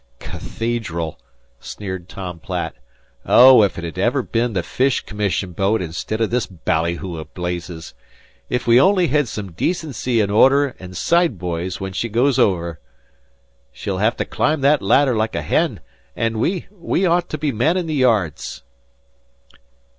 "Cathedral!" sneered Tom Platt. "Oh, if it had bin even the Fish C'mmission boat instid of this bally hoo o' blazes. If we only hed some decency an' order an' side boys when she goes over! She'll have to climb that ladder like a hen, an' we we ought to be mannin' the yards!"